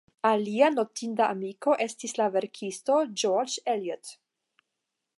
Alia notinda amiko estis la verkisto George Eliot.